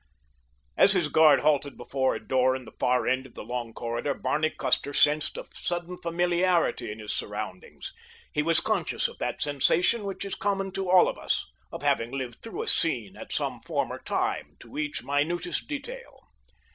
As his guard halted before a door at the far end of a long corridor Barney Custer sensed a sudden familiarity in his surroundings. He was conscious of that sensation which is common to all of us—of having lived through a scene at some former time, to each minutest detail.